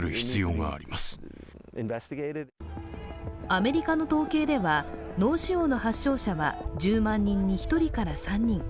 アメリカの統計では、脳腫瘍の発症者は１０万人に１人から３人。